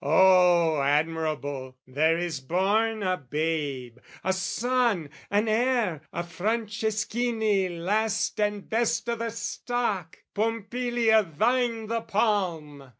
O admirable, there is born a babe, A son, an heir, a Franceschini last And best o' the stock! Pompilia, thine the palm!